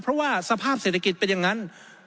เพราะว่าสภาพเศรษฐกิจเป็นอย่างนั้น